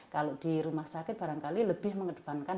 kalau di rumah sakit barangkali lebih mengedepankan